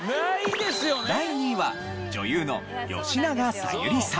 第２位は女優の吉永小百合さん。